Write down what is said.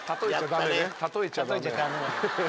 例えちゃダメなの。